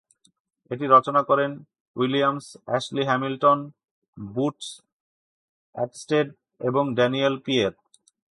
এটি রচনা করেন উইলিয়ামস, অ্যাশলি হ্যামিলটন, বুটস অটস্টেড এবং ড্যানিয়েল পিয়ের।